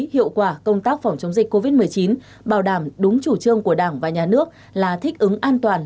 hiệu quả công tác phòng chống dịch covid một mươi chín bảo đảm đúng chủ trương của đảng và nhà nước là thích ứng an toàn